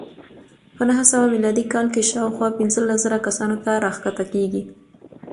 په نهه سوه میلادي کال کې شاوخوا پنځلس زره کسانو ته راښکته کېږي.